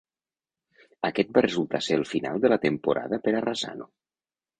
Aquest va resultar ser el final de la temporada per a Razzano.